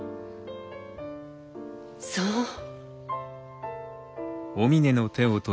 そう。